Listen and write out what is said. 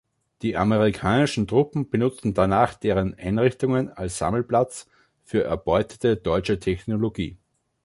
Die amerikanischen Truppen benutzen danach deren Einrichtungen als Sammelplatz für erbeutete deutsche Technologie.